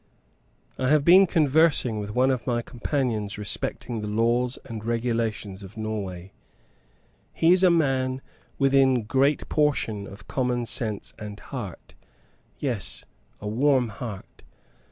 I have been conversing with one of my companions respecting the laws and regulations of Norway. He is a man within great portion of common sense and heart yes, a warm heart.